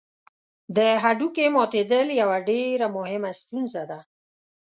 د هډوکي ماتېدل یوه ډېره مهمه ستونزه ده.